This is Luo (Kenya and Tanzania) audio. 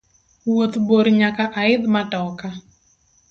Wuoth bor nyaka aidh matoka.